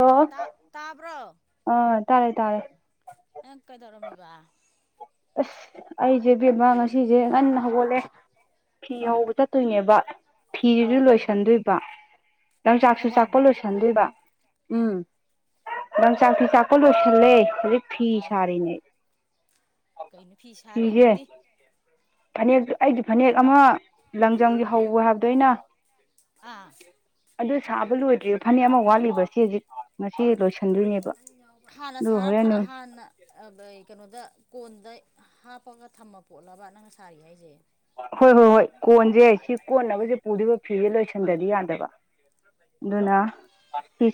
ꯑꯣ ꯇꯥ ꯇꯥꯕ꯭ꯔꯣ ꯑꯥ ꯇꯥꯔꯦ ꯇꯥꯔꯦ ꯑꯦ ꯀꯩꯗꯧꯔꯝꯃꯤꯕ ꯑꯁ ꯑꯩꯁꯦ ꯕꯦꯝꯃ ꯉꯁꯤꯁꯦ ꯉꯟꯅ ꯍꯧꯒꯠꯂꯦ ꯐꯤ ꯎꯝ ꯍꯧꯕ ꯆꯠꯇꯣꯏꯅꯦꯕ ꯐꯤꯁꯨ ꯑꯣ ꯂꯣꯏꯁꯟꯗꯣꯏꯕ ꯌꯣꯡꯆꯥꯛꯁꯨ ꯆꯥꯛꯄ ꯊꯧꯕꯥꯜꯗ ꯂꯣꯏꯁꯟꯗꯣꯏꯕ ꯎꯝ ꯑꯥ ꯅꯪ ꯆꯥꯛꯇꯤ ꯆꯥꯛꯄ ꯂꯣꯏꯁꯜꯂꯦ ꯍꯧꯖꯤꯛ ꯐꯤ ꯑꯥ ꯁꯥꯔꯤꯅꯦ ꯀꯩꯅꯣ ꯐꯤ ꯐꯤꯁꯦ ꯁꯥꯔꯤꯅꯦꯗꯤ ꯐꯅꯦꯛ ꯑꯩꯗꯤ ꯐꯅꯦꯛ ꯑꯃ ꯂꯪꯖꯝꯒꯤ ꯍꯧꯕ ꯍꯥꯏꯕꯗ ꯑꯩꯅ ꯑꯥ ꯑꯗꯨ ꯁꯥꯕ ꯂꯣꯏꯗ꯭ꯔꯤꯕ ꯐꯅꯦꯛ ꯑꯃ ꯋꯥꯠꯂꯤꯕ ꯁꯤ ꯍꯧꯖꯤꯛ ꯉꯁꯤ ꯂꯣꯏꯁꯤ ꯍꯥꯟꯅ ꯁꯔ ꯍꯥꯟꯅ ꯀꯩꯅꯣꯗ ꯀꯣꯟꯗ ꯍꯥꯞꯄꯒ ꯊꯝꯃ ꯄꯣꯠꯂꯕ ꯅꯪꯅ ꯁꯥꯔꯤ ꯍꯥꯏꯁꯦ ꯍꯣꯏ ꯍꯣꯏ ꯍꯣꯏ ꯀꯣꯟꯁꯦ ꯑꯩ ꯁꯤ ꯎꯝ ꯀꯣꯟꯅꯕꯁꯦ ꯄꯨꯔꯤꯕ ꯐꯤꯦ ꯂꯣꯏꯁꯂ ꯊꯦꯡꯗꯗꯤ ꯌꯥꯗꯕ ꯑꯗꯨꯅ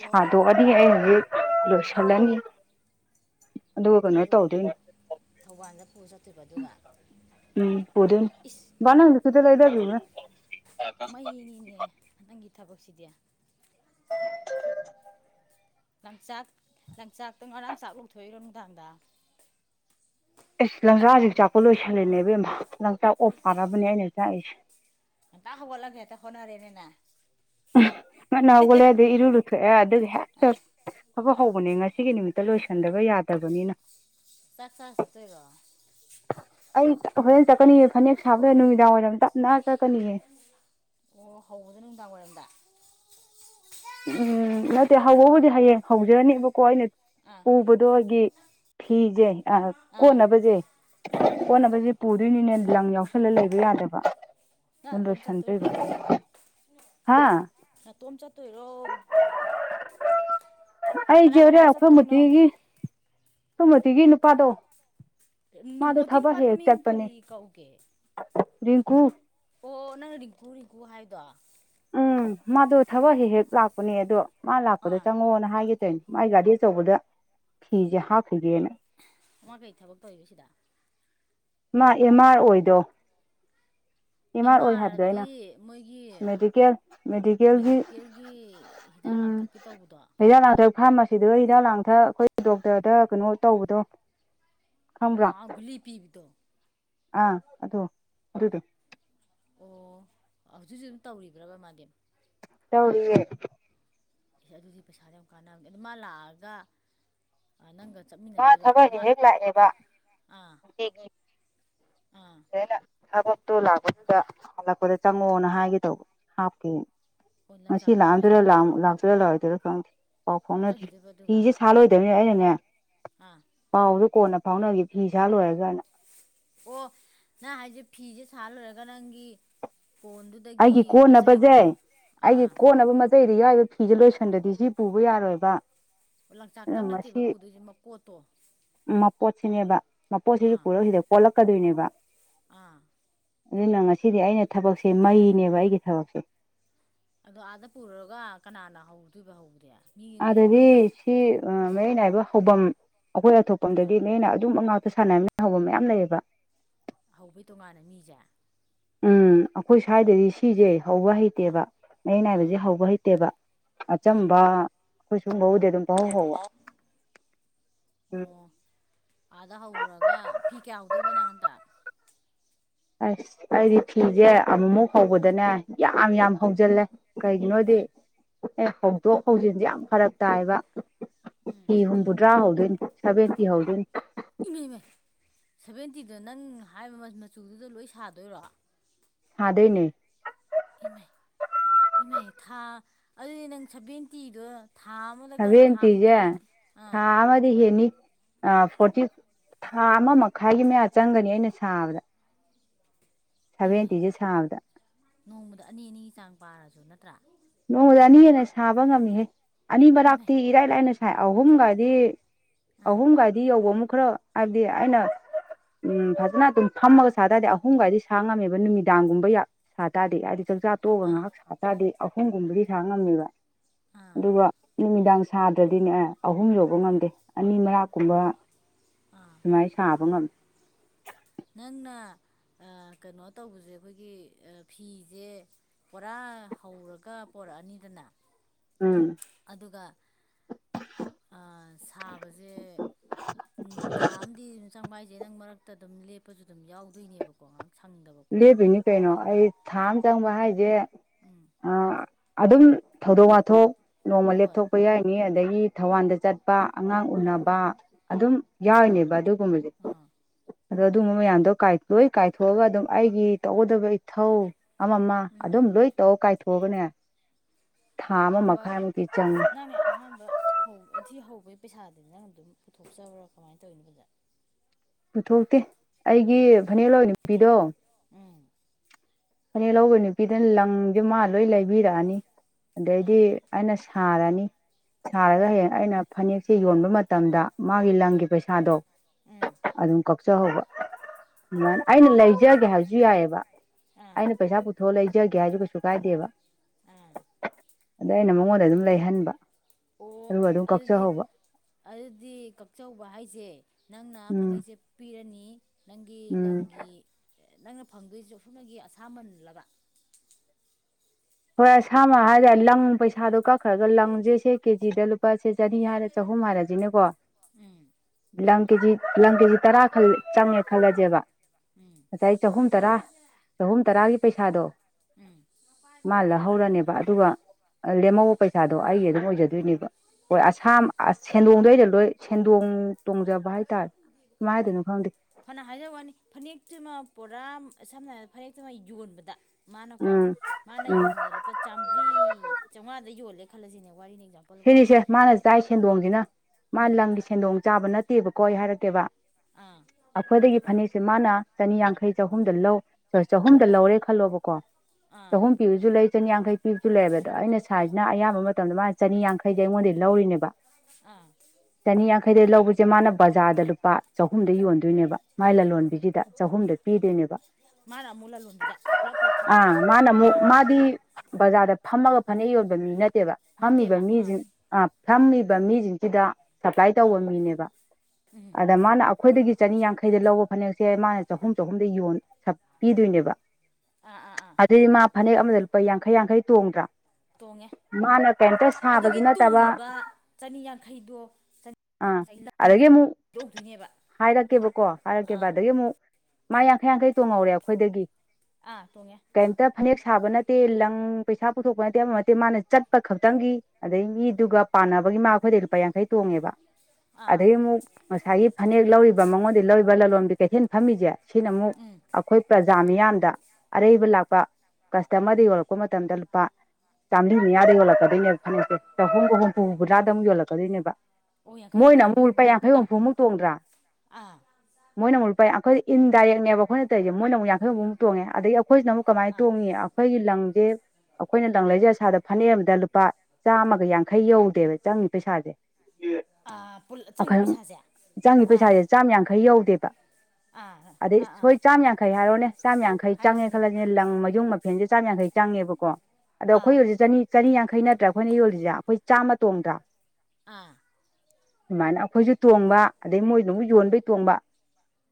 ꯑꯣ ꯑꯪ ꯑꯗꯤ ꯑꯩ ꯂꯣꯁꯟ ꯑꯥ ꯂꯅꯤ ꯑꯗꯨꯒ ꯀꯩꯅꯣꯗ ꯑꯗꯨ ꯇꯧꯗꯣꯏꯅꯦ ꯊꯧꯕꯥꯜꯗ ꯄꯨꯔ ꯆꯠꯇꯣꯏꯕ ꯑꯗꯨꯒ ꯎꯝ ꯄꯗ ꯏꯁ ꯅꯥꯗꯈꯤꯗ ꯂꯩ ꯂꯩꯗꯕꯤ ꯃꯩꯅꯤꯅꯦ ꯅꯪꯒꯤ ꯊꯕꯛꯁꯤꯗꯤ ꯂꯝꯆꯥꯛ ꯂꯝꯆꯥꯛꯇ ꯉꯔꯥꯡ ꯆꯥꯛ ꯂꯊꯣꯛꯏꯔꯣ ꯅꯨꯡꯗꯥꯡꯗ ꯑꯦꯁ ꯂꯪꯆꯥꯛ ꯍꯧꯖꯤꯛ ꯆꯥꯛꯄꯣ ꯂꯣꯏꯁꯜꯂꯅꯦꯕꯦꯝꯃ ꯂꯪꯆꯥꯛ ꯑꯣꯐ ꯐꯥꯔꯕꯅꯦ ꯑꯩꯅ ꯆꯥꯛꯏꯁꯦ ꯇꯥꯛ ꯍꯕ ꯂꯒꯦ ꯈꯣꯅꯔ ꯑꯦꯅꯦꯅ ꯉꯟꯅ ꯍꯧꯒꯂꯦ ꯑꯗꯨ ꯏꯔꯨ ꯂꯨꯊꯣꯛꯑꯦ ꯑꯗꯨꯒ ꯍꯦꯛꯇ ꯑꯥ ꯊꯕꯛ ꯍꯧꯕꯅꯦ ꯉꯁꯤ ꯁꯤꯒꯤ ꯅꯨꯃꯤꯠꯇ ꯂꯣꯏꯁꯟꯗꯕ ꯌꯥꯗꯕꯅꯤꯅ ꯆꯥꯛꯁ ꯇꯣꯏꯒꯣ ꯑꯩꯞ ꯐꯖꯅ ꯆꯠꯀꯅꯤꯑ ꯐꯅꯦꯛ ꯁꯥꯕꯗ ꯅꯨꯃꯤꯗꯥꯡ ꯋꯥꯏꯔꯝ ꯇꯞꯅ ꯆꯠꯀꯅꯤꯌꯦ ꯑꯣ ꯍꯧꯕꯗꯣ ꯅꯨꯡꯗꯥꯡ ꯋꯥꯏꯔꯝꯗ ꯎꯝ ꯅꯠꯇꯦ ꯍꯧꯕꯕꯨꯗꯤ ꯍꯌꯦꯡ ꯍꯧꯖꯔꯅꯦꯕꯀꯣ ꯑꯩꯅ ꯑꯥ ꯄꯨꯕꯗꯣ ꯑꯩꯒꯤ ꯐꯤꯖꯦ ꯑ ꯑꯥ ꯀꯣꯟꯅꯕꯖꯦ ꯀꯣꯠꯅꯕꯁꯦ ꯄꯨꯗꯣꯏꯅꯤꯅꯦ ꯂꯪ ꯌꯥꯎꯁꯜꯂ ꯂꯩꯕ ꯌꯥꯗꯕ ꯅ ꯔꯣꯁꯟꯕ ꯇꯣꯝ ꯆ ꯇ ꯀꯅꯥ ꯑꯩꯁꯦ ꯍꯣꯔꯦꯟ ꯀꯅꯥ ꯑꯩꯈꯣꯏ ꯆꯠꯇꯣꯏꯅꯣ ꯃꯇꯤꯒꯤ ꯑꯩꯈꯣꯏ ꯃꯇꯤꯒꯤ ꯅꯨꯄꯥꯗꯣ ꯃꯥꯗꯣ ꯃꯣꯇꯅ ꯊꯕꯛ ꯄꯥꯗ ꯃꯤ ꯀꯔꯤ ꯀꯧ ꯀꯦ ꯔꯤꯤꯡꯀꯨ ꯑꯣ ꯅꯪ ꯔꯤꯡꯀꯨ ꯔꯤꯡꯒꯨ ꯍꯥꯏꯗꯣ ꯎꯝ ꯃꯥꯗꯣ ꯊꯕꯛ ꯍꯦꯛ ꯍꯦꯛ ꯂꯥꯛꯄꯅꯦ ꯑꯗꯣ ꯃꯥ ꯂꯥꯛꯄꯗ ꯑꯥ ꯆꯪꯉꯣꯅ ꯍꯥꯏꯒꯦ ꯩꯅ ꯃꯥꯏ ꯒꯥꯗꯦ ꯑꯆꯧꯕꯗ ꯐꯤꯁꯦ ꯍꯥꯞꯈꯤꯒꯦꯅ ꯃꯥ ꯀꯩ ꯊꯕꯛ ꯇꯧ ꯁꯤꯗ ꯃꯥ ꯑꯦꯝ ꯑꯥꯔ ꯑꯣꯏꯗꯣ ꯑꯦꯝ ꯑꯥꯔ ꯑꯣꯏ ꯍꯥꯏꯕꯗꯣ ꯑꯥꯥꯔꯗꯤ ꯑꯩꯅ ꯃꯣꯏꯒꯤ ꯃꯦꯗꯤꯀꯦꯜꯒꯤ ꯍꯤꯗꯥꯛ ꯂꯥꯡꯊꯛꯀꯤ ꯇꯧꯕꯗꯣ ꯐꯥꯔꯃꯥꯁꯤꯗꯨ ꯍꯤꯗꯥꯛ ꯂꯥꯡꯊꯛ ꯑꯩꯈꯣꯏ ꯗꯣꯛꯇꯔꯗ ꯀꯩꯅꯣ ꯇꯧꯕꯗꯣ ꯈꯪꯕ꯭ꯔꯥ ꯑꯥ ꯒꯂꯤ ꯄꯤꯕꯗꯣ ꯑꯥ ꯑꯗꯣ ꯑꯗꯨꯔꯗꯤ ꯑꯣ ꯍꯧꯖꯤꯛ ꯍꯧꯖꯤꯛ ꯑꯗꯨꯝ ꯇꯧꯔꯤꯕ꯭ꯔꯕ ꯃꯥꯗꯤꯦꯝ ꯦ ꯁ ꯑꯗꯨꯗꯤ ꯄꯩꯁꯥꯗ ꯌꯥꯝ ꯀꯥꯟꯔꯅꯤ ꯑꯗꯨ ꯃꯥ ꯂꯥꯛꯑꯒ ꯅꯪꯒ ꯃꯥ ꯆꯠꯃꯤꯟꯅꯗꯣꯏꯕ ꯊꯕꯛ ꯃꯥ ꯍꯦꯛ ꯍꯦꯛ ꯂꯥꯛꯑꯦꯕ ꯑꯥ ꯅꯨꯡꯇꯦꯛꯒꯤ ꯑꯥ ꯑꯗ ꯑꯩꯅ ꯊꯕꯛꯇꯨ ꯂꯥꯛꯄꯗꯨꯗ ꯍꯜꯂꯛꯄꯗ ꯆꯪꯉꯣꯅ ꯍꯥꯏꯒꯦ ꯇꯧꯕ ꯍꯥꯞꯀꯦꯅꯦ ꯑꯣ ꯉ ꯂꯪꯆꯥꯛꯇꯣ ꯂꯥꯛꯑꯗꯣꯏꯔꯥ ꯍꯥꯞꯆꯤꯟꯈꯤꯗꯣꯏ ꯂ ꯂꯥꯛꯇꯣꯏꯔꯥ ꯂꯑꯣꯏꯗꯣꯏꯔꯥ ꯈꯪꯗꯦ ꯄꯥꯎ ꯐꯥꯎꯅꯗ꯭ꯔꯤ ꯍꯥꯞꯆꯤꯟꯈꯤꯗꯣꯏꯕ ꯑꯗꯨꯒ ꯐꯤꯁꯦ ꯁꯥꯜꯂꯣꯏꯗꯕꯅꯦ ꯑꯩꯅꯅꯦ ꯑꯥ ꯄꯥꯎꯗ ꯀꯣꯟꯅ ꯐꯥꯎꯅꯒꯤ ꯐꯤꯁꯥ ꯂꯣꯏꯔꯒꯅ ꯑꯣ ꯅꯪ ꯍꯥꯏꯁꯦ ꯐꯤꯁꯦ ꯁꯥꯍ ꯂꯣꯏꯔꯒ ꯅꯪꯒꯤ ꯀꯣꯟꯗꯨꯗꯒꯤ ꯑꯩꯒꯤ ꯃꯆꯩꯗꯣ ꯀꯣꯟꯅꯕꯁꯦ ꯑꯩꯒꯤ ꯑꯥ ꯀꯣꯟꯅꯕ ꯃꯆꯩꯗ ꯌꯥꯎꯔꯤꯕ ꯐꯤꯤꯁꯦ ꯂꯣꯏꯁꯟꯗ꯭ꯔꯗꯤ ꯁꯤ ꯄꯨꯕ ꯌꯥꯔꯣꯏꯕ ꯑꯣ ꯑꯗꯨꯅ ꯂꯥꯡꯆꯥꯛꯇꯪ ꯅꯠꯇꯦꯕ ꯃꯁꯤ ꯄꯨꯗꯣꯏꯁꯦ ꯃꯀꯣꯠꯇꯣ ꯄꯣꯠꯁꯤꯅꯦꯕ ꯃꯄꯣꯠꯁꯤꯁꯨ ꯑꯥ ꯄꯨꯔꯛꯁꯤꯗ ꯀꯣꯜꯂꯛꯀꯗꯣꯏꯅꯦꯕ ꯑꯥ [unintelligible] ꯑꯗꯨꯅ ꯉꯁꯤꯗꯤ ꯑꯩꯅ ꯊꯕꯛꯁꯦ ꯃꯩꯅꯦꯕ ꯑꯩꯒꯤ ꯊꯕꯛꯁꯦ ꯑꯗꯣ ꯑꯥꯗ ꯄꯨꯔꯨꯔꯒ ꯀꯅꯥꯅ ꯍꯧꯗꯣꯏꯕ ꯍꯧꯗꯦ ꯑꯗꯨꯗꯗꯤ ꯁꯤ ꯃꯌꯥꯏ ꯅꯥꯏꯕ ꯍꯐꯝ ꯑꯩꯈꯣꯏ ꯑꯊꯣꯛꯄꯝꯗꯗꯤ ꯅꯣꯏꯅ ꯑꯗꯨꯝꯉꯥꯛꯇ ꯁꯥꯟꯅꯅꯤ ꯍꯧꯕ ꯃꯌꯥꯝ ꯂꯩꯌꯦꯕ ꯍꯧꯕꯩ ꯇꯣꯉꯥꯟꯅ ꯃꯤꯁꯦ ꯎꯝ ꯑꯩꯈꯣꯏ ꯁ꯭ꯋꯥꯏꯗꯗꯤ ꯁꯤꯁꯦ ꯍꯧꯕ ꯑꯥ ꯍꯩꯇꯦꯕ ꯃꯩ ꯑꯥ ꯅꯥꯏꯕꯁꯦ ꯍꯧꯕ ꯍꯩꯇꯦꯕ ꯑꯥ ꯑꯆꯝꯕ ꯕꯥꯎ ꯍ ꯋꯥ ꯑꯣ ꯑꯥꯗ ꯍꯧꯔꯨꯔꯒ ꯐꯤ ꯀꯌꯥ ꯍꯧꯗꯣꯏꯕꯅ ꯍꯟꯛ ꯇ ꯑꯁ ꯑꯩꯗꯤ ꯐꯤꯁꯦ ꯑꯃꯃꯨꯛ ꯍꯧꯕꯗꯅꯦ ꯌꯥꯝ ꯌꯥꯝ ꯍꯧꯖꯤꯜꯂꯦ ꯀꯩꯒꯤꯅꯣꯗꯤ ꯎꯝ ꯑꯦ ꯍꯧꯗꯣꯛ ꯍꯧꯖꯤꯟꯁꯦ ꯌꯥꯝ ꯐꯔꯛ ꯇꯥꯏꯌꯦꯕ ꯎꯝ ꯐꯤ ꯍꯨꯝꯐꯨꯇꯔꯥ ꯍꯧꯗꯣꯏꯅꯤ ꯁꯦꯚꯦꯟꯇꯤ ꯍꯧꯗꯣꯏꯅꯤ ꯏꯃꯩ ꯏꯃꯩ ꯁꯚꯦꯟꯇꯤꯗꯣ ꯅꯪ ꯍꯥꯏꯕ ꯃꯆꯨꯗꯨꯗ ꯂꯣꯏ ꯁꯥꯗꯣꯏꯔꯣ ꯁꯥꯗꯩꯅꯦ ꯏꯃꯩ ꯏꯃꯩ ꯊꯥ ꯑꯗꯤ ꯅꯪ ꯁꯕꯦꯟꯇꯤꯗꯣ ꯁꯚꯦꯟꯇꯤꯖꯦ ꯊꯥ ꯑꯥ ꯑꯃꯗꯤ ꯍꯦꯟꯅꯤ ꯑ ꯐꯣꯔꯇꯤ ꯊꯥ ꯑꯃ ꯃꯈꯥꯏꯒꯤ ꯃꯌꯥ ꯆꯪꯒꯅꯤ ꯑꯩꯅ ꯁꯥꯕꯗ ꯏꯃꯥꯏ ꯁꯚꯦꯟꯇꯤꯁꯦ ꯁꯥꯕꯗ ꯅꯣꯡꯃꯗ ꯑꯅꯤ ꯑꯅꯤꯒꯤ ꯆꯥꯡ ꯄꯥꯔꯁꯨ ꯅꯠꯇ꯭ꯔꯥ ꯅꯣꯡꯃꯗ ꯑꯅꯤ ꯍꯅ ꯁꯥꯕ ꯉꯝꯃꯤꯍꯦ ꯑꯅꯤ ꯏꯃꯩ ꯃꯅꯥꯥꯛꯛꯇꯤ ꯏꯔꯥꯏ ꯂꯥꯏꯅ ꯁꯥꯏ ꯑꯍꯨꯝꯒꯗꯤ ꯑꯥ ꯑꯍꯨꯝꯒꯗꯤ ꯌꯧꯕ ꯑꯃꯛ ꯈꯔ ꯍꯥꯏꯕꯗꯤ ꯑꯩꯅ ꯎꯝ ꯐꯖꯅ ꯑꯗꯨꯝ ꯐꯝꯃꯒ ꯁꯥ ꯇꯗꯦ ꯑꯍꯨꯝꯒꯥꯏꯗꯤ ꯁꯥꯡ ꯉꯝꯃꯦꯕ ꯅꯨꯃꯤꯗꯥꯡꯒꯨꯝꯕ ꯁꯥ ꯇꯥꯗꯦ ꯍꯥꯏꯗꯤ ꯆꯥꯛꯆꯥꯥ ꯇꯣꯛꯑꯒ ꯑꯥ ꯉꯥꯏꯍꯥꯛ ꯁꯥꯇꯥꯥꯗꯤ ꯑꯍꯨꯝꯒꯨꯝꯕꯗꯤ ꯁꯥ ꯉꯝꯃꯦꯕ ꯑꯥ ꯑꯗꯨꯒ ꯅꯨꯃꯤꯗꯥꯡ ꯁꯥꯗ꯭ꯔꯗꯤꯅꯦ ꯑꯍꯨꯝ ꯌꯧꯕ ꯑꯥ ꯉꯝꯗꯦ ꯑꯅꯤ ꯃꯔꯛ ꯀꯨꯝꯕ ꯑꯥ ꯁꯨꯃꯥꯏ ꯁꯥꯕ ꯉꯝꯃꯦ ꯅꯪꯅ ꯀꯩꯅꯣ ꯇꯧꯕꯁꯦ ꯑꯩꯈꯣꯏꯒꯤ ꯄꯨꯔꯥ ꯍꯧꯔꯒ ꯄꯣꯔꯛꯑꯅꯤꯗꯅ ꯎꯝ ꯑꯗꯨꯒ ꯁꯥꯕꯁꯦ ꯊꯥ ꯑꯃꯗꯤ ꯆꯪꯕ ꯍꯥꯏ ꯅꯪ ꯃꯔꯛꯇ ꯑꯗꯨꯝ ꯂꯦꯞꯄꯁꯨ ꯑꯗꯨꯝ ꯌꯥꯎꯗꯣꯏꯅꯦꯕꯀꯣ ꯁꯪꯗꯕ ꯈꯣꯠꯇꯕ ꯂꯦꯞꯄꯤꯅꯤ ꯀꯩꯅꯣ ꯊꯕꯛ ꯑꯩ ꯏꯪꯈꯥꯡ ꯊꯥ ꯑꯃ ꯆꯪꯕ ꯍꯥꯏꯁꯦ ꯑꯗꯨꯝ ꯊꯧꯗꯣꯛ ꯋꯥꯊꯣꯛ ꯅꯣꯡꯃ ꯍꯣꯏ ꯂꯦꯞꯊꯣꯛꯄ ꯌꯥꯎꯅꯤ ꯑꯗꯒꯤ ꯊꯧꯋꯥꯟꯗ ꯆꯠꯄ ꯑꯉꯥꯡ ꯎꯅꯕ ꯎꯝ ꯑꯗꯨꯝ ꯌꯥꯎꯔꯤꯅꯦꯕ ꯑꯗꯨꯒꯨꯝꯕꯁꯦ ꯑꯥ ꯑꯗꯣ ꯑꯗꯨꯒꯨꯝꯕ ꯃꯌꯥꯝꯗꯣ ꯂꯣꯏ ꯀꯥꯏꯊꯣꯛꯑꯒ ꯑꯗꯨꯝ ꯑꯩꯒꯤ ꯇꯧꯒꯗꯕ ꯏꯊꯧ ꯑꯃ ꯑꯃ ꯑꯗꯨꯝ ꯎꯝ ꯂꯣꯏ ꯇꯧ ꯀꯥꯏꯊꯣꯛꯑꯒꯅꯦ ꯊꯥ ꯑꯃ ꯑꯍꯝꯕ ꯃꯈꯥꯏꯃꯨꯛꯇꯤ ꯆꯪꯉꯤ ꯅꯪꯅꯦ ꯑꯍꯥꯟꯕ ꯍꯧ ꯁꯤ ꯍꯧꯕ ꯑꯩꯈꯣꯏ ꯄꯩꯁꯥꯗꯤ ꯅꯪ ꯑꯗꯨꯝ ꯄꯨꯊꯣꯛꯆꯕ꯭ꯔꯥ ꯀꯃꯥꯏꯅ ꯇꯧꯔꯤꯅꯣ ꯄꯨꯊꯣꯛꯇꯦ ꯑꯩꯒꯤ ꯐꯅꯦꯛꯂꯧꯏ ꯅꯨꯄꯤꯗꯣ ꯎꯝ ꯐꯅꯦꯛ ꯂꯧꯗꯣꯏ ꯅꯨꯄꯤꯗꯨꯅ ꯂꯪꯁꯦ ꯃꯥ ꯂꯣꯏ ꯂꯩꯕꯤꯔꯛꯑꯅꯤ ꯑꯗꯩꯗꯤ ꯑꯥ ꯑꯩꯅ ꯁꯥꯔꯅꯤ ꯁꯥꯔꯒ ꯑꯥ ꯍꯌꯦꯡ ꯑꯩꯅ ꯐꯅꯦꯛꯁꯦ ꯌꯣꯟꯕ ꯃꯇꯝꯗ ꯃꯥꯒꯤ ꯂꯝꯒꯤ ꯄꯩꯁꯥꯗꯣ ꯎꯝ ꯆꯠꯍꯧꯕ ꯑꯩꯅ ꯂꯩꯖꯒꯦ ꯍꯥꯏꯕꯁꯨ ꯌꯥꯏꯑꯕ ꯑꯥ ꯑꯩꯅ ꯄꯩꯁꯥ ꯄꯨꯊꯣꯛ ꯂꯩꯖꯒꯦ ꯍꯥꯏꯁꯨ ꯀꯩꯁꯨ ꯀꯥꯏꯗꯦꯕ ꯑꯥ ꯑꯗꯣ ꯑꯩꯅ ꯃꯉꯣꯟꯗ ꯑꯗꯨꯝ ꯂꯩꯍꯟꯕ ꯑꯣ ꯑꯗꯨꯒ ꯑꯗꯨꯝ ꯑꯗꯨꯗꯤ ꯀꯛꯆꯍꯧꯕ ꯑꯗꯨꯗꯤ ꯀꯛꯆꯥꯍꯧꯕ ꯍꯥꯏꯁꯦ ꯅꯪꯅ ꯎꯝ ꯐꯅꯦꯛꯁꯦ ꯄꯤꯔꯅꯤ ꯅꯪꯒꯤ ꯎꯝ ꯂꯪꯒꯤ ꯅꯪꯅ ꯐꯪꯗꯣꯏꯁꯦ ꯁꯨꯞꯅꯒꯤ ꯑꯁꯥꯃꯜꯂꯕ ꯍꯣꯏ ꯑꯁꯥꯃꯜ ꯍꯥꯏꯁꯦ ꯂꯪ ꯄꯩꯁꯥꯗꯣ ꯀꯛꯈ꯭ꯔꯒ ꯂꯪꯁꯦ ꯁꯦ ꯀꯦꯖꯤꯗ ꯁꯦ ꯆꯅꯤ ꯍꯥꯏꯔ ꯆꯍꯨꯝ ꯍꯥꯏꯔꯁꯤꯅꯦꯀꯣ ꯎꯝ ꯂꯪ ꯀꯦꯖꯤ ꯂꯪ ꯀꯦꯖꯤ ꯇꯔꯥ ꯆꯪꯉꯦ ꯈꯜꯂꯁꯦꯕ ꯎꯝ ꯉꯁꯥꯏ ꯆꯍꯨꯝ ꯇꯔꯥ ꯆꯍꯨꯝ ꯇꯔꯥꯒꯤ ꯄꯩꯁꯥꯗꯣ ꯎꯝ ꯃꯥꯜ ꯂꯧꯍꯧꯔꯅꯦꯕ ꯑꯗꯨꯒ ꯂꯦꯝꯍꯧꯕ ꯄꯩꯁꯥꯗꯣ ꯑꯩꯒꯤ ꯑꯗꯨꯝ ꯑꯣꯏꯖꯥꯗꯣꯏꯅꯦꯕ ꯑꯁꯥ ꯁꯦꯟꯗꯣꯡꯗꯣ ꯑꯩꯅ ꯂꯣꯏ ꯁꯦꯟꯗꯣꯡ ꯇꯣꯡꯖꯕ ꯍꯥꯏꯇꯥꯔꯦ ꯀꯃꯥꯏ ꯍꯥꯅꯗꯣꯏꯅꯣ ꯈꯪꯗꯦ ꯐꯅꯦꯛ ꯆꯤꯃꯥ ꯁꯝꯅ ꯍꯥꯏꯔꯕꯗ ꯐꯅꯦꯛꯇꯨꯃ ꯌꯣꯟꯕꯗ ꯃꯥꯅꯀꯣ ꯎꯝ ꯃꯥꯅ ꯎꯝ ꯌꯣꯟꯕꯗ ꯂꯨꯄꯥ ꯆꯥꯝꯃꯔꯤ ꯆꯥꯝꯃꯉꯥꯗ ꯌꯣꯜꯂꯦ ꯈꯜꯂꯁꯤꯅꯦ ꯋꯥꯔꯤꯅꯤ ꯁꯤꯅꯝꯁꯦ ꯃꯥꯅ ꯆꯥꯏ ꯁꯦꯟꯗꯣꯡꯁꯤꯅ ꯃꯥ ꯎꯝ ꯂꯪꯒꯤ ꯁꯦꯟꯗꯣꯡ ꯆꯥꯕ ꯅꯠꯇꯦꯕꯀꯣ ꯑꯩ ꯍꯥꯏꯔꯛꯀꯦꯕ ꯑꯥ ꯑꯩꯈꯣꯏꯗꯒꯤ ꯐꯅꯦꯛꯁꯦ ꯃꯥꯅ ꯆꯅꯤ ꯌꯥꯡꯈꯩ ꯆꯍꯨꯝꯗ ꯂꯧ ꯆꯍꯨꯝꯗ ꯂꯧꯔꯦ ꯈꯜꯂꯣꯕꯀꯣ ꯑꯥ ꯆꯍꯨꯝ ꯄꯤꯔꯁꯨ ꯂꯩ ꯆꯅꯤꯌꯥꯡꯈꯩ ꯄꯤꯕꯁꯨ ꯂꯩꯑꯕ ꯑꯗꯣ ꯑꯩꯅ ꯁꯔꯁꯤꯅ ꯑꯌꯥꯝꯕ ꯃꯇꯝꯗ ꯃꯥ ꯆꯅꯤꯌꯥꯡꯈꯩꯗꯤ ꯑꯩꯉꯣꯟꯗꯤ ꯂꯧꯔꯤꯅꯦꯕ ꯑꯥ ꯀꯩꯗꯩ ꯂꯧꯕꯁꯦ ꯃꯥꯅ ꯕꯖꯥꯔꯗ ꯂꯨꯄꯥ ꯆꯍꯨꯝꯗ ꯌꯣꯟꯗꯣꯏꯅꯦꯕ ꯃꯥꯏ ꯂꯂꯣꯟꯕꯤꯁꯤꯗ ꯆꯍꯨꯝꯗ ꯄꯤꯗꯣꯏꯅꯦꯕ ꯃꯥꯅ ꯑꯃꯨꯛ ꯂꯂꯣꯟꯕꯤꯗ ꯄꯨꯂꯞ ꯄꯨꯂꯞ ꯊꯥꯗꯣꯛꯄ ꯑꯥ ꯃꯥꯅ ꯑꯃꯨꯛ ꯑꯥ ꯃꯥꯗꯤ ꯕꯖꯥꯔꯗ ꯐꯝꯃꯒ ꯐꯅꯦꯛ ꯌꯣꯟꯕ ꯃꯤ ꯅꯠꯇꯦꯕ ꯐꯝꯃꯤꯕ ꯅꯠꯇꯦꯕ ꯑꯥ ꯃꯤꯁꯤꯡ ꯑ ꯐꯝꯃꯤꯕ ꯃꯤꯁꯤꯡꯁꯤꯗ ꯁꯄ꯭ꯂꯥꯏ ꯑꯥ ꯇꯧꯕ ꯃꯤꯅꯦꯕ ꯎꯝ ꯑꯗ ꯃꯥꯅ ꯑꯩꯈꯣꯏꯗꯒꯤ ꯆꯅꯤ ꯌꯥꯡꯈꯩꯗ ꯂꯧꯕ ꯐꯅꯦꯛꯁꯦ ꯃꯥꯅ ꯆꯍꯨꯝ ꯆꯍꯨꯝꯗ ꯌꯣꯟ ꯁ ꯄꯤꯗꯣꯏꯅꯦꯕ ꯑꯥ ꯑꯥ ꯑꯥ ꯑꯗꯨꯏꯗꯤ ꯃꯥ ꯐꯅꯦꯛ ꯑꯃꯗ ꯂꯨꯄꯥ ꯌꯥꯡꯈꯩ ꯌꯥꯡꯈꯩ ꯇꯣꯡꯗ꯭ꯔꯥ ꯇꯣꯡꯉꯦ ꯃꯥꯅ ꯀꯩꯝꯇ ꯁꯥꯕꯁꯨ ꯑꯗꯨꯒꯤ ꯅꯠꯇꯕ ꯇꯣꯡꯉꯤꯕ ꯑꯥ ꯆꯅꯤꯌꯥꯡꯈꯩꯗꯣꯈꯩ ꯂꯝꯒꯤ ꯑꯗꯒꯤ ꯑꯃꯨꯛ ꯌꯧꯗꯣꯏꯅꯦꯕ ꯍꯥꯏꯔꯛꯀꯦꯕꯀꯣ ꯍꯥꯏꯔꯛꯀꯦꯕ ꯑꯥ ꯑꯗꯒꯤ ꯑꯃꯨꯛ ꯃꯥ ꯌꯥꯡꯈꯩ ꯌꯥꯡꯈꯩ ꯇꯣꯡꯍꯧꯔꯦ ꯑꯩꯈꯣꯏꯗꯒꯤ ꯑꯥ ꯇꯨꯡꯉꯦ ꯀꯩꯝꯇ ꯐꯅꯦꯛ ꯁꯥꯕ ꯅꯠꯇꯦ ꯂꯪ ꯄꯩꯁꯥ ꯄꯨꯊꯣꯛꯄ ꯅꯠꯇꯦ ꯑꯃ ꯅꯠꯇꯦ ꯃꯥꯅ ꯆꯠꯄ ꯈꯛꯇꯪꯒꯤ ꯑꯗꯩ ꯃꯤꯗꯨꯒ ꯄꯥꯟꯅꯕꯒꯤ ꯃꯥ ꯑꯩꯈꯣꯏꯗ ꯂꯨꯄꯥ ꯌꯥꯡꯈꯩ ꯇꯣꯡꯉꯦꯕ ꯑꯥ ꯑꯗꯒꯤ ꯑꯃꯨꯛ ꯉꯁꯥꯏꯒꯤ ꯐꯅꯦꯛ ꯂꯧꯔꯤꯕ ꯃꯉꯣꯟꯗ ꯂꯧꯔꯤꯕ ꯂꯂꯣꯟꯕꯤ ꯀꯩꯊꯦꯜ ꯐꯝꯃꯤꯁꯦ ꯁꯤꯅ ꯑꯃꯨꯛ ꯎꯝ ꯑꯩꯈꯣꯏ ꯄ꯭ꯔꯖ ꯖꯥ ꯃꯤꯌꯥꯝꯗ ꯑꯔꯩꯕ ꯂꯥꯛꯄ ꯀꯁꯇꯃꯔꯗ ꯌꯣꯜꯂꯛꯄ ꯃꯇꯝꯗ ꯂꯨꯄꯥ ꯆꯥꯝꯔꯤꯅꯤꯌꯥꯗ ꯌꯣꯂꯛꯀꯗꯣꯏꯅꯦ ꯐꯅꯦꯛꯁꯦ ꯆꯥꯛꯍꯨꯝ ꯆꯍꯨꯝ ꯄꯨꯕꯗ꯭ꯔꯥꯗ ꯑꯃꯨꯛ ꯌꯣꯜꯂꯛꯗꯣꯏꯅꯦꯕ ꯑꯣ ꯌꯥꯡꯈꯩ ꯍꯨꯝꯐꯨ ꯃꯣꯏꯅ ꯑꯃꯨꯛ ꯍꯨꯝꯐꯨ ꯂꯨꯄꯥ ꯌꯥꯡꯈꯩ ꯅꯞꯄꯒ ꯍꯨꯝꯐꯨꯃꯨꯛ ꯇꯣꯡꯗ꯭ꯔꯥ ꯑꯥ ꯃꯣꯏꯅ ꯑꯃꯨꯛ ꯂꯨꯄꯥ ꯌꯥꯡꯈꯩ ꯏꯟꯗꯥꯏꯔꯦꯛꯅꯦꯕ ꯑꯩꯈꯣꯏꯅ ꯇꯧꯔꯤꯁꯦꯣꯏꯅ ꯑꯃꯨꯛ ꯌꯥꯡꯩꯨꯛ ꯇꯣꯡꯉꯦ ꯑꯗꯒꯤ ꯑꯩꯈꯣꯏꯁꯤꯅ ꯑꯃꯨꯛ ꯀꯃꯥꯏꯅ ꯑꯥ ꯇꯣꯡꯉꯤ ꯑꯩꯈꯣꯏꯒꯤ ꯂꯪꯁꯦ ꯑꯩꯈꯣꯏꯅ ꯂꯪ ꯂꯩꯖ ꯑ ꯁꯥꯥꯗ ꯐꯅꯦꯛ ꯑꯃꯗ ꯂꯨꯄꯥ ꯆꯥꯝꯃꯒ ꯌꯥꯡꯈꯩ ꯌꯧꯗꯦꯕ ꯆꯪꯉꯤ ꯄꯩꯁꯥꯁꯦ ꯑꯥ ꯆꯪꯉꯤ ꯑꯈꯪ ꯄꯩꯁꯥꯁꯦ ꯆꯪꯉꯤ ꯑꯥ ꯄꯩꯁꯥꯁꯦ ꯆꯥꯝ ꯌꯥꯡꯈꯩ ꯌꯧꯗꯦꯕ ꯑꯥ ꯑꯗꯩ ꯑꯥ ꯑꯥ ꯁꯣꯏ ꯆꯥꯝ ꯌꯥꯡꯈꯩ ꯍꯥꯏꯔꯣꯅꯦ ꯆꯥꯝ ꯌꯥꯡꯈꯩ ꯆꯪꯉꯦ ꯍꯥꯏꯔꯁꯤꯅꯦ ꯈꯜꯂꯁꯤꯅꯦ ꯂꯪ ꯃꯖꯨꯡ ꯃꯐꯦꯟꯁꯦ ꯆꯥꯝ ꯌꯥꯡꯈꯩ ꯆꯪꯉꯦꯕꯀꯣ ꯑꯗꯣ ꯑꯩꯈꯣꯏ ꯑꯥ ꯌꯣꯜꯁ ꯆꯅꯤ ꯆꯅꯤ ꯌꯥꯡꯈꯩ ꯅꯠꯇ꯭ꯔꯦ ꯑꯩꯈꯣꯏꯅ ꯌꯣꯟꯜꯜꯂꯤꯁꯤꯁꯦ ꯑꯩꯈꯣꯏ ꯆꯥꯝꯃ ꯇꯣꯡꯗ꯭ꯔꯥ ꯑ ꯑꯗꯨꯃꯥꯏꯅ ꯑꯩꯈꯣꯏꯁꯨ ꯇꯣꯡꯕ ꯑꯗꯩ ꯃꯣꯏꯗꯨꯕꯨꯛ ꯌꯣꯟꯕꯩ ꯇꯣꯡꯕ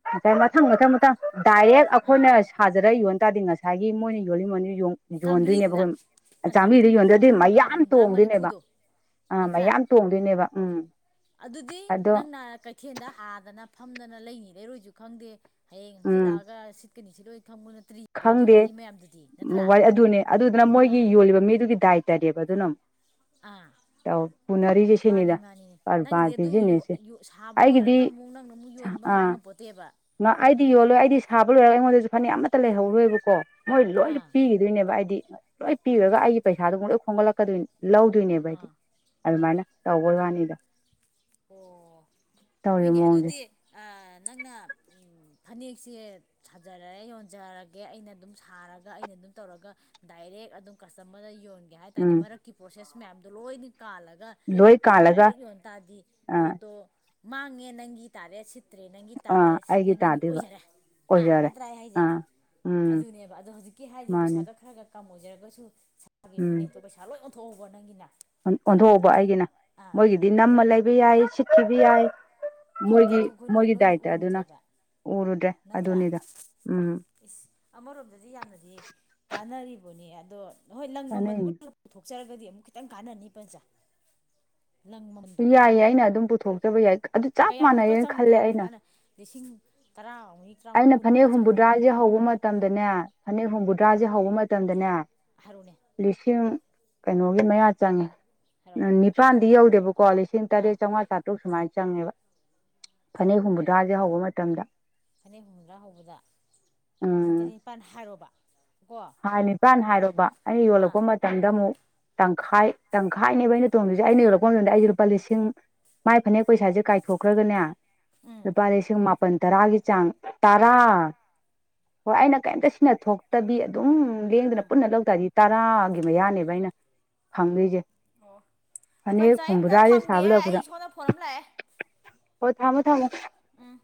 ꯉꯁꯥꯏ ꯃꯊꯪ ꯃꯊꯪ ꯃꯊꯪ ꯗꯥꯏꯔꯦꯛ ꯑꯥ ꯑꯩꯈꯣꯏꯅ ꯁꯥꯖꯔ ꯌꯣꯟ ꯇꯥꯔꯗꯤ ꯉꯁꯥꯏꯒꯤ ꯃꯣꯏꯅ ꯌꯣꯜꯂꯤꯕꯅꯤ ꯌꯣꯟꯗꯣꯏꯅꯦꯕ ꯆꯥꯝꯃꯔꯤꯗꯨꯗ ꯑꯩꯈꯣꯏ ꯆꯍꯨꯝ ꯆꯥꯝꯔꯤꯗ ꯌꯣꯟꯗꯣꯅꯦ ꯑꯗꯨ ꯆꯍꯨꯝꯒ ꯃꯌꯥꯝ ꯍꯨꯝꯗ꯭ꯔꯥ ꯇꯣꯡꯗꯣꯏꯅꯦꯕ ꯃꯔꯤꯐꯨꯗꯣ ꯑꯥ ꯅꯠꯇ꯭ꯔꯥ ꯃꯌꯥꯝ ꯇꯣꯡꯗꯣꯏꯅꯦꯕ ꯎꯝ ꯑꯗꯨꯗꯤ ꯑꯗꯣ ꯅꯪꯅ ꯀꯩꯊꯦꯜꯗ ꯍꯥꯗꯅ ꯐꯝꯗꯅ ꯂꯩꯅꯤ ꯂꯩꯔꯣꯏꯁꯨ ꯈꯪꯗꯦ ꯍꯌꯦꯡ ꯍꯪꯆꯤꯠ ꯎꯝ ꯂꯥꯛꯑꯒ ꯁꯤꯠꯀꯅꯤꯁꯤ ꯂꯣꯏ ꯈꯪꯗꯦ ꯅꯠꯇ꯭ꯔꯥ ꯑꯗꯨꯅꯦ ꯑꯗꯨꯗꯨꯅ ꯃꯣꯏꯒꯤ ꯑꯥ ꯌꯣꯜꯂꯤꯕ ꯃꯤꯗꯨꯒꯤ ꯗꯥꯏꯇꯅꯦꯕ ꯑꯗꯨꯅ ꯑꯥ ꯑꯃꯨꯛ ꯄꯨꯅꯔꯤꯁꯦ ꯃꯥꯅꯤ ꯁꯤꯅꯤꯗ ꯃꯥꯅꯤ ꯅꯪꯒꯤꯗꯤ ꯀꯔꯕꯥꯔ ꯑꯗꯨ ꯕꯤꯖꯤꯅꯦꯁꯁꯦ ꯁꯥꯕ ꯂꯣꯏꯔꯒ ꯑꯩꯒꯤꯗꯤ ꯑꯃꯨꯛ ꯅꯪꯅ ꯑꯃꯨꯛ ꯌꯣꯟ ꯉꯥꯏ ꯑꯥ ꯉꯝꯄꯣꯠꯇꯦꯕ ꯑꯩꯗꯤ ꯌꯣꯜꯂꯣꯏ ꯑꯩꯗꯤ ꯁꯥꯕ ꯂꯣꯏꯔꯒ ꯑꯩꯉꯣꯟꯗꯁꯨ ꯐ ꯂꯩꯍꯧꯔꯣꯏꯕꯀꯣ ꯃꯣꯏ ꯂꯣꯏꯅ ꯑꯥ ꯄꯤꯈꯤꯗꯣꯏꯅꯦꯕ ꯍꯥꯏꯗꯤ ꯂꯣꯏ ꯑꯥ ꯄꯤꯈ꯭ꯔꯒ ꯑꯩꯒꯤ ꯄꯩꯁꯥꯗꯨ ꯍꯣꯡꯒꯠꯂꯛꯀꯗꯣꯏꯅꯤ ꯂꯧꯗꯣꯏꯅꯦꯕ ꯍꯥꯏꯗꯤ ꯑꯥ ꯑꯥ ꯑꯗꯨꯃꯥꯏꯅ ꯇꯧꯕꯩ ꯋꯥꯅꯤꯗꯣ ꯑꯣ ꯇꯧꯔꯤꯕ ꯍꯣꯏꯅꯦ ꯃꯑꯣꯡꯁꯦ ꯑꯗꯨꯗꯤ ꯅꯪꯅ ꯐꯅꯦꯛꯁꯦ ꯁꯥꯖꯔꯦ ꯌꯣꯟꯖꯔꯒꯦ ꯑꯩꯅ ꯑꯗꯨꯝ ꯁꯥꯔꯒ ꯑꯩꯅ ꯑꯗꯨꯝ ꯇꯧꯔꯒ ꯗꯥꯏꯔꯦꯛ ꯑꯗꯨꯝ ꯀꯁꯇꯃꯔꯗ ꯌꯣꯟ ꯍꯥꯏ ꯇꯥꯔꯗꯤ ꯎꯝ ꯃꯔꯛꯀꯤ ꯄ꯭ꯔꯣꯁꯦꯁ ꯃꯌꯥꯝꯗꯣ ꯂꯣꯏꯅ ꯀꯥꯜꯂꯒ ꯂꯣꯏ ꯅꯪꯅ ꯀꯥꯜꯂꯒ ꯗꯥꯏꯔꯦꯛ ꯌꯣꯟ ꯇꯥꯔꯗꯤ ꯑꯥ ꯄꯣꯠꯇꯣ ꯃꯥꯡꯉꯦ ꯅꯪꯒꯤ ꯇꯥꯔꯦ ꯁꯤ ꯠꯇ꯭ꯔꯦ ꯅꯪꯒꯤ ꯑꯥ ꯇꯥꯔꯦ ꯑꯩꯒꯤ ꯁꯤꯠꯂꯦ ꯅꯪꯒꯤ ꯇꯥꯗꯣꯏꯕ ꯑꯣꯏꯖꯔꯦ ꯑꯥ ꯑꯣꯏꯖꯔꯦ ꯅꯠꯇ꯭ꯔꯥ ꯍꯥꯏꯁꯦ ꯑꯥ ꯎꯝ ꯑꯗꯨꯅꯦꯕ ꯑꯗꯣ ꯍꯧꯖꯤꯛꯀꯤ ꯍꯥꯏꯔꯤꯁꯦ ꯃꯥꯅꯤ ꯄꯩꯁꯥꯗꯣ ꯈꯔꯒ ꯀꯝ ꯑꯣꯏꯖꯔꯒꯁꯨ ꯁꯥꯈꯤꯕ ꯎꯝ ꯐꯅꯦꯛꯇꯣ ꯄꯩꯁꯥ ꯂꯣꯏ ꯑꯣꯟꯊꯣꯛꯍꯧꯕ ꯅꯪꯒꯤꯅ ꯑꯣꯟꯊꯣꯛꯎꯕ ꯑꯩꯒꯤꯅ ꯑꯥ ꯃꯣꯏꯒꯤꯗꯤ ꯑꯗꯨꯗ ꯅꯝꯃ ꯂꯩꯕ ꯌꯥꯏ ꯁꯤꯠꯈꯤꯕ ꯌꯥꯏ ꯑꯥ ꯈꯪꯗꯦ ꯃꯣꯏꯒꯤ ꯑꯗꯨ ꯑꯩꯈꯣꯏꯅ ꯃꯣꯏꯒꯤ ꯅꯣꯏꯅ ꯗꯥꯏꯇ ꯑꯗꯨꯅ ꯎꯔꯨꯗ꯭ꯔꯦꯕ ꯎꯔꯨꯗ꯭ꯔꯦ ꯅꯠꯇ꯭ꯔꯥ ꯑꯗꯨꯅꯤꯗ ꯎꯝ ꯏꯁ ꯑꯃꯔꯣꯝꯗꯗꯤ ꯌꯥꯝꯅꯗꯤ ꯀꯥꯟꯅꯔꯤꯕꯅꯦ ꯑꯗꯣ ꯍꯣꯏ ꯅꯪ ꯃꯃꯜꯗꯨꯕꯨ ꯀꯥꯟꯅꯩꯅꯤ ꯄꯨꯊꯣꯛ ꯍꯥꯞꯆꯔꯒꯗꯤ ꯑꯃꯨꯛ ꯈꯤꯇꯪ ꯀꯥꯟꯅꯅꯤ ꯄꯖꯥ ꯂꯪ ꯃꯟꯗꯣ ꯌꯥꯏꯌꯦ ꯑꯩꯅ ꯑꯗꯨꯝ ꯄꯨꯊꯣꯛꯆꯕ ꯌꯥꯏ ꯑꯗꯨ ꯆꯞ ꯀꯌꯥꯃꯨꯛꯀ ꯃꯥꯟꯅꯩꯌꯦꯅ ꯆꯪꯒꯦ ꯈꯜꯂꯦ ꯍꯥꯏꯕꯅꯣ ꯑꯩꯅ ꯃꯥꯅ ꯂꯤꯁꯤꯡ ꯇꯔꯥꯃꯔꯤ ꯇꯔꯥꯃꯉꯥ ꯑꯩꯅ ꯐꯅꯦꯛ ꯀꯨꯟꯃꯨꯛꯀ ꯆꯪꯕ꯭ꯔꯕ ꯍꯨꯝꯕꯨꯗ꯭ꯔꯥꯁꯦ ꯍꯧꯕ ꯃꯇꯝꯗꯅꯦ ꯐꯅꯦꯛ ꯍꯨꯝꯐꯨꯇꯔꯥꯁꯦ ꯍꯧꯕ ꯃꯇꯝꯗꯅꯦ ꯍꯥꯏꯔꯣꯅꯦ ꯂꯤꯁꯤꯡ ꯀꯩꯅꯣꯒꯤ ꯃꯌꯥ ꯆꯪꯉꯦ ꯍꯥꯏꯔꯣ ꯎ ꯅꯤꯄꯥꯜꯗꯤ ꯌꯧꯗꯦꯕꯀꯣ ꯂꯤꯁꯤꯡ ꯑꯥ ꯇꯔꯦꯠ ꯆꯥꯝꯃꯉꯥ ꯆꯥꯇ꯭ꯔꯨꯛ ꯁꯨ ꯨꯃꯥꯏ ꯆꯪꯉꯦꯕ ꯐꯅꯦꯛ ꯍꯨꯝꯐꯨꯇꯔꯥꯁꯦ ꯍꯧꯕ ꯃꯇꯝꯗ ꯐꯅꯦꯛ ꯍꯨꯝꯗ꯭ꯔꯥ ꯍꯧꯕꯗ ꯂꯤꯁꯤꯡ ꯇꯔꯦꯠ ꯎꯝ ꯅꯤꯄꯥꯜ ꯍꯥꯏꯔꯣꯕ ꯀꯣ ꯍꯥꯏ ꯅꯤꯄꯥꯟ ꯍꯥꯏꯔꯕ ꯑꯩꯅ ꯑꯥ ꯌꯣꯜꯂꯛꯄ ꯃꯇꯝꯗ ꯑꯃꯨꯛ ꯇꯪꯈꯥꯏ ꯇꯪꯈꯥꯏꯅꯦꯕ ꯑꯩꯅ ꯇꯣꯡꯗꯣꯏꯁꯦ ꯑꯩꯅ ꯌꯣꯟꯂꯛꯄ ꯃꯇꯝꯗ ꯑꯩ ꯂꯨꯄꯥ ꯂꯤꯁꯤꯡ ꯃꯥꯏ ꯐꯅꯦꯛ ꯄꯩꯁꯥꯁꯦ ꯀꯥꯏꯊꯣꯛꯈ꯭ꯔꯒꯅꯦ ꯎꯝ ꯂꯨꯄꯥ ꯂꯤꯁꯤꯡ ꯃꯥꯄꯜ ꯇꯔꯥꯒꯤ ꯆꯥꯡ ꯇꯔꯥ ꯍꯣꯏ ꯑꯩꯅ ꯀꯩꯝꯇ ꯁꯤꯅ ꯊꯣꯛꯇꯕꯤ ꯑꯗꯨꯝ ꯂꯦꯡꯗꯅ ꯎꯝ ꯄꯨꯟꯅ ꯂꯧꯇꯥꯔꯗꯤ ꯇꯔꯥꯒꯤ ꯃꯌꯥꯅꯦꯕ ꯑꯩꯅ ꯐꯪꯗꯣꯏꯁꯦ ꯑꯣ ꯑꯗ ꯐꯅꯦꯛ ꯄꯟꯆꯥꯌꯦꯠꯇꯇ ꯍꯨꯝꯕꯨꯗ꯭ꯔꯥꯁꯦ ꯊꯝꯒꯦ ꯁꯥꯕ ꯑꯩ ꯁꯣꯝꯗ ꯐꯣꯟ ꯑꯃ ꯂꯥꯛꯑꯦ ꯍ ꯊꯝꯃ ꯊꯝꯃꯣ ꯎꯝ